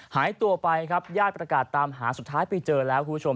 หายตัวไปครับญาติประกาศตามหาสุดท้ายไปเจอแล้วคุณผู้ชม